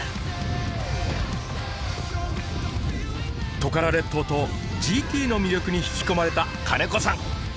トカラ列島とＧＴの魅力に引き込まれた金子さん。